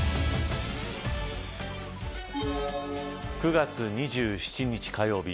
９月２７日火曜日